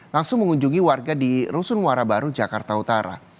langsung mengunjungi warga di rusun muara baru jakarta utara